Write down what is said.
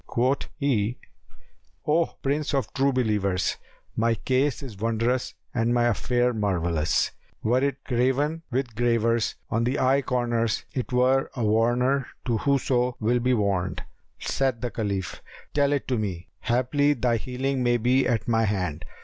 Quoth he, "O Prince of True Believers, my case is wondrous and my affair marvellous; were it graven with gravers on the eye corners it were a warner to whoso will be warned." Said the Caliph, "Tell it to me: haply thy healing may be at my hand."